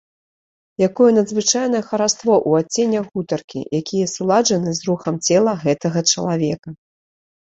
Якое надзвычайнае хараство ў адценнях гутаркі, якія суладжаны з рухам цела гэтага чалавека!